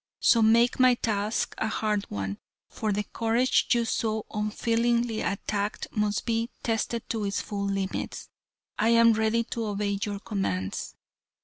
So make my task a hard one, for the courage you so unfeelingly attacked must be tested to its full limits. I am ready to obey your commands."